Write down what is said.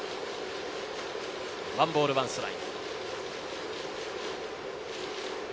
１ボール１ストライク。